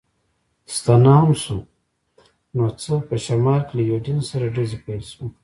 ستنه هم شو، نو څه، په شمال کې له یوډین سره ډزې پیل شوې.